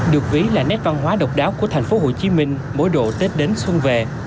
được ví là nét văn hóa độc đáo của thành phố hồ chí minh mỗi độ tết đến xuân về